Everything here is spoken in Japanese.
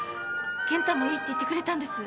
健太もいいって言ってくれたんです。